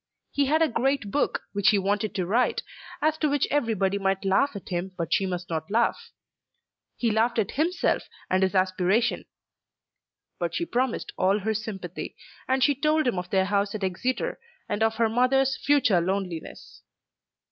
He had a great book which he wanted to write, as to which everybody might laugh at him but she must not laugh. He laughed at himself and his aspiration; but she promised all her sympathy, and she told him of their house at Exeter, and of her mother's future loneliness.